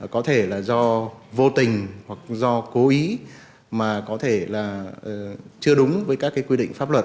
có thể là do vô tình hoặc do cố ý mà có thể là chưa đúng với các quy định pháp luật